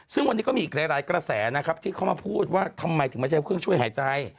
ซึ่งวันนี้ก็มีอีกหลายกระแสนะครับที่เขามาพูดว่าทำไมถึงไม่ใช้เครื่องช่วยหายใจ